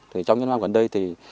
thì trong những năm gần đây thì